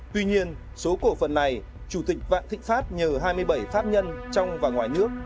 tuy nhiên số cổ phần này chủ tịch vạn thịnh pháp nhờ hai mươi bảy pháp nhân trong và ngoài nước